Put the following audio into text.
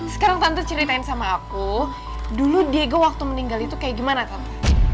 sekarang tante ceritain sama aku dulu diego waktu meninggal itu kayak gimana tante